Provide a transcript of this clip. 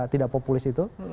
tidak populis itu